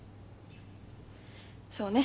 そうね。